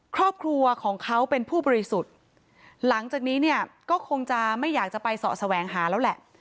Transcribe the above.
ครอบครัวของเขาเป็นผู้บริสุทธิ์หลังจากนี้เนี่ยก็คงจะไม่อยากจะไปเสาะแสวงหาแล้วแหละ